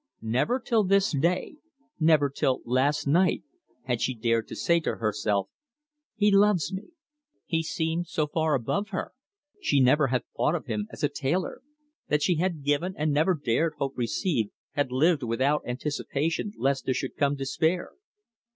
Never till this day, never till last night, had she dared to say to herself, He loves me. He seemed so far above her she never had thought of him as a tailor! that she had given and never dared hope to receive, had lived without anticipation lest there should come despair.